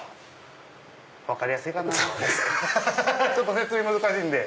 説明難しいんで。